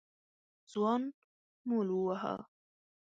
ځوان مول وواهه.